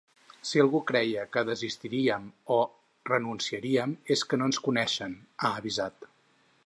Si algú creia que desistiríem o renunciaríem és que no ens coneixen, ha avisat.